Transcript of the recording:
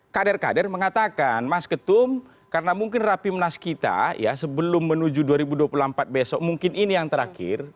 kader kader mengatakan mas ketum karena mungkin rapimnas kita ya sebelum menuju dua ribu dua puluh empat besok mungkin ini yang terakhir